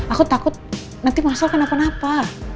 aku takut nanti masalah kenapa napa